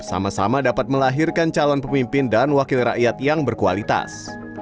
sama sama dapat melahirkan calon pemimpin dan wakil rakyat yang berkualitas